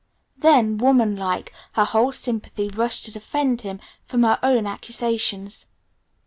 Then, woman like, her whole sympathy rushed to defend him from her own accusations.